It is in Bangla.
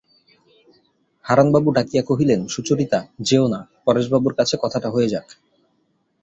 হারানবাবু ডাকিয়া কহিলেন, সুচরিতা, যেয়ো না, পরেশবাবুর কাছে কথাটা হয়ে যাক।